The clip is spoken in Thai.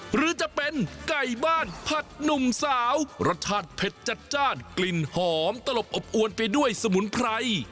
หรือจะเป็นไก่บ้านผัดหนุ่มสาวรสชาติเผ็ดจัดจ้านกลิ่นหอมตลบอบอวนไปด้วยสมุนไพร